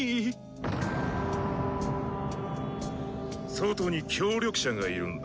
外に協力者がいるんだ。